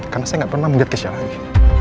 karena saya gak pernah melihat keisha lagi